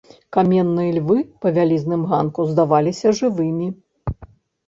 Каменныя львы па вялізным ганку здаваліся жывымі.